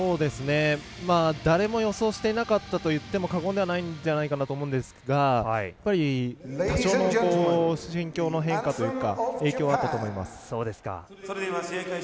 誰も予想していなかったといっても過言ではないかと思うんですが多少の心境の変化というか影響はあったと思います。